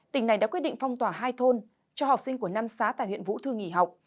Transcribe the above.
tỉnh này đã quyết định phong tỏa hai thôn cho học sinh của năm xã tại huyện vũ thư nghỉ học